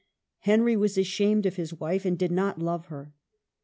Henry was ashamed of his wife, and did not love her.